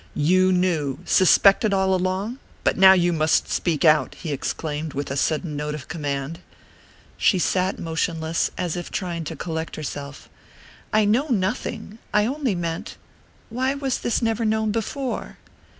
"You knew you suspected all along? But now you must speak out!" he exclaimed with a sudden note of command. She sat motionless, as if trying to collect herself. "I know nothing I only meant why was this never known before?"